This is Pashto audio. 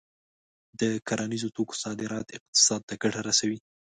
د کرنیزو توکو صادرات اقتصاد ته ګټه رسوي.